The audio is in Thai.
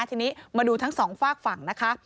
ทีนี้มาดูทั้งสองฝากฝั่งนะคะ